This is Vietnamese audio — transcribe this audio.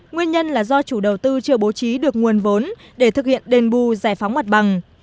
nguyên nhân là do chủ đầu tư chưa bố trí được nguồn vốn để thực hiện đền bù giải phóng mặt bằng